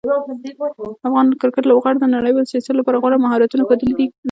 د افغان کرکټ لوبغاړو د نړیوالو سیالیو لپاره غوره مهارتونه ښودلي دي.